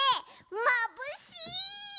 まぶしい！